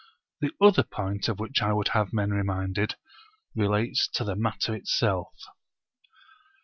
The other point of which I would have men reminded relates to the matter itself.